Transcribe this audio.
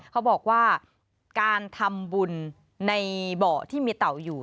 เขาบอกว่าการทำบุญในเบาะที่มีเต่าอยู่